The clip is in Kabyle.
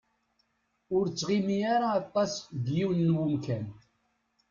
Ur tettɣimi ara aṭas deg yiwen n umkan.